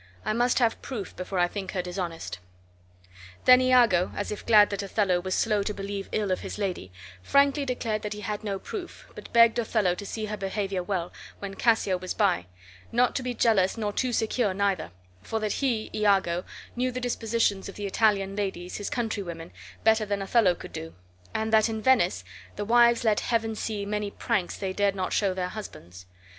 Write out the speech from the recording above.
I must have proof before I think her dishonest." Then Iago, as if glad that Othello was slow to believe ill of his lady, frankly declared that he had no proof, but begged Othello to see her behavior well, when Cassio was by; not to be jealous nor too secure neither, for that he (Iago) knew the dispositions of the Italian ladies, his country women, better than Othello could do; and that in Venice the wives let Heaven see many pranks they dared not show their husbands.